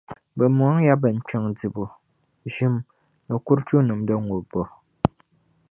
Bɛ mɔŋ ya binkpiŋ dibu, ʒim, ni kuruchu nimdi ŋubbu.